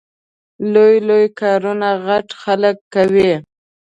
لوی لوی کارونه غټ خلګ کوي